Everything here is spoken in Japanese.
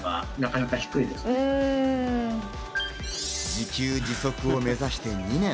自給自足を目指して２年。